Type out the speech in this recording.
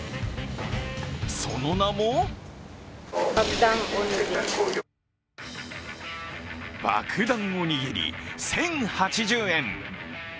その名も爆弾おにぎり１０８０円。